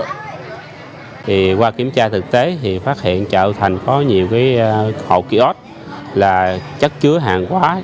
thì qua kiểm tra thực tế thì phát hiện chợ hụ thành có nhiều cái hộ ký ốt là chất chứa hàng hóa